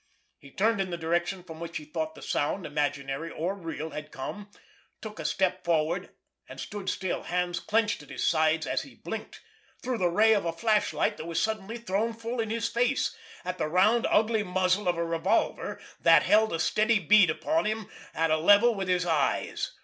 He turned in the direction from which he thought the sound, imaginary or real, had come, took a step forward—and stood still, hands clenched at his sides, as he blinked, through the ray of a flashlight that was suddenly thrown full in his face, at the round, ugly muzzle of a revolver that held a steady bead upon him on a level with his eyes.